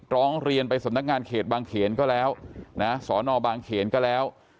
ร้องเรียนไปสำนักงานเขตบางเขนก็แล้วนะสอนอบางเขนก็แล้ว